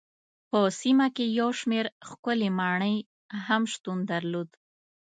په سیمه کې یو شمېر ښکلې ماڼۍ هم شتون درلود.